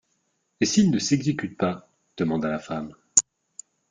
Et s'il ne s'exécute pas ? demanda la femme.